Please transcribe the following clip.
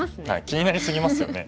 気になり過ぎますよね。